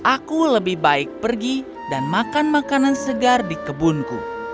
aku lebih baik pergi dan makan makanan segar di kebunku